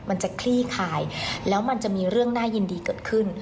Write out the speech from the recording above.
มันจะคลี่คายแล้วมันจะมีเรื่องน่ายินดีเกิดขึ้น